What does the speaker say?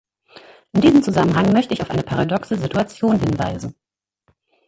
In diesem Zusammenhang möchte ich auf eine paradoxe Situation hinweisen.